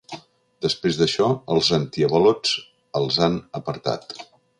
Després d’això, els antiavalots els han apartat.